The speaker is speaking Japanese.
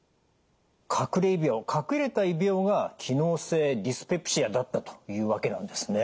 かくれ胃病かくれた胃病が機能性ディスペプシアだったというわけなんですね。